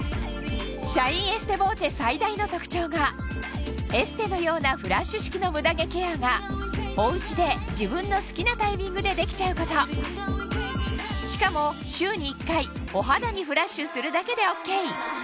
シャインエステボーテ最大の特徴がエステのようなフラッシュ式のムダ毛ケアがおうちで自分の好きなタイミングでできちゃうことしかもまず。